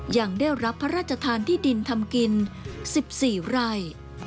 ยังได้รับพระราชทานที่ดินทำกิน๑๔ไร่